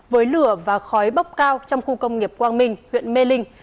với lửa và khói bốc cao trong khu công nghiệp quang minh huyện mê linh